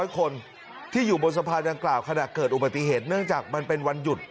คนที่อยู่บนสะพานดังกล่าวขณะเกิดอุบัติเหตุเนื่องจากมันเป็นวันหยุด